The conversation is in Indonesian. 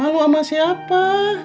malu sama siapa